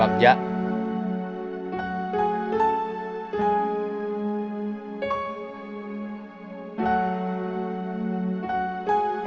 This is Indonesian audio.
aku sudah berhenti